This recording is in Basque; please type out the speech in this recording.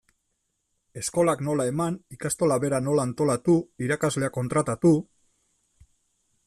Eskolak nola eman, ikastola bera nola antolatu, irakasleak kontratatu...